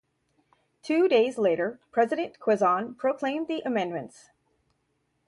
Two days later President Quezon proclaimed the amendments.